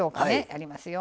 やりますよ。